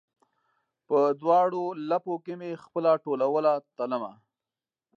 په دواړ ولپو کې مې خپله ټولوله تلمه